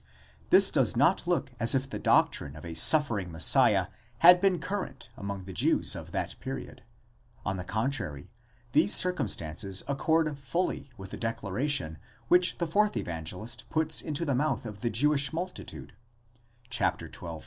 'This does not look as if the doctrine of a suffering Messiah had been current among the Jews of that period; on the contrary, these circumstances accord fully with the declaration which the fourth Evangelist puts into the mouth of the Jewish multitude, ὄχλος (xii.